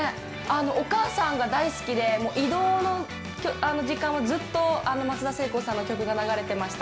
お母さんが大好きで、移動の時間はずっと松田聖子さんの曲が流れていました。